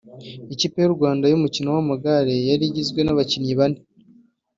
ikipe y’u Rwanda y’umukino w’amagare yari igizwe n’abakinnyi bane